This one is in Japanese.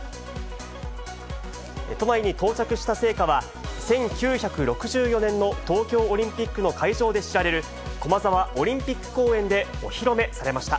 都内に到着した聖火は、１９６４年の東京オリンピックの会場で知られる、駒沢オリンピック公園でお披露目されました。